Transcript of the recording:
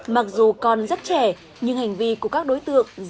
mặc dù còn rất trẻ nhưng hành vi của các đối tượng